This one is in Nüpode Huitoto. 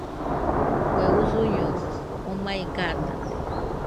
Kue usuño omai gatate